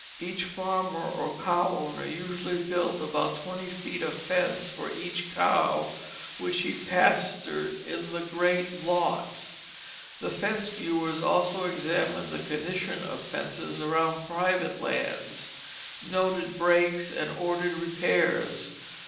Each farmer or cow owner usually built about twenty feet of fence for each cow which he pastured in the "great lotts." The fence viewers also examined the condition of fences around private lands; noted breaks and ordered repairs.